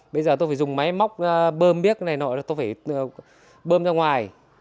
bây giờ tôi phải dùng máy móc bơm biếc này nọ là tôi phải bơm ra ngoài